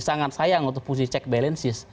sangat sayang untuk fungsi cek balances